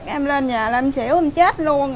em lên nhà là em xỉu em chết luôn